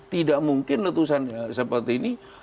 tidak mungkin letusan seperti ini